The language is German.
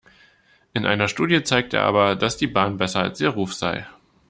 In einer Studie zeigt er aber, dass die Bahn besser als ihr Ruf sei.